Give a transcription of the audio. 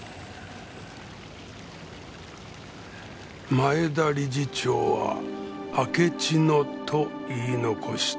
前田理事長は「あけちの」と言い残した